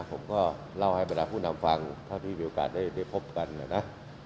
ผมก็เล่าให้บรรดาผู้นำฟังเท่าที่มีโอกาสได้พบกันนะนะ